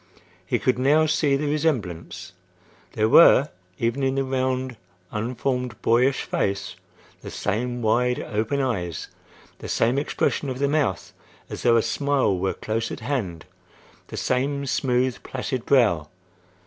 He could now see the resemblance. There were, even in the round, unformed, boyish face, the same wide open eyes; the same expression of the mouth, as though a smile were close at hand; the same smooth, placid brow.